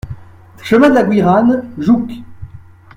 Chemin de la Gouiranne, Jouques